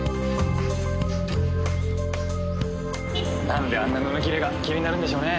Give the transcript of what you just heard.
なんであんな布切れが気になるんでしょうね。